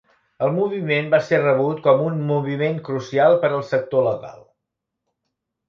El moviment va ser rebut com un "moviment crucial" per al sector legal.